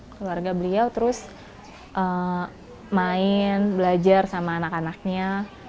keluarga beliau terus main belajar sama anak anaknya